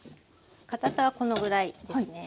かたさはこのぐらいですね。